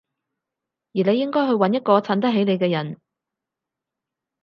而你應該去搵一個襯得起你嘅人